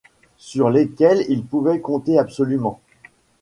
sur lesquels il pouvait compter absolument.